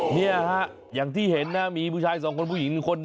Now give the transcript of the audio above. เนี่ยฮะอย่างที่เห็นนะมีผู้ชายสองคนผู้หญิงคน